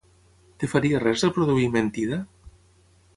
Et faria res reproduir "Mentida"?